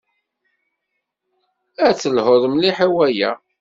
Ad telhuḍ mliḥ i waya.